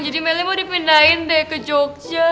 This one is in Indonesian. jadi meli mau dipindahin deh ke jogja